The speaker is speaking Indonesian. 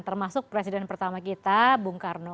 termasuk presiden pertama kita bung karno